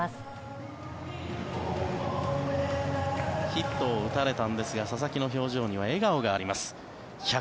ヒットを打たれたんですが佐々木の表情には笑顔があります。